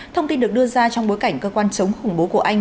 thông tin được đưa ra trong bối cảnh cơ quan chống khủng bố của anh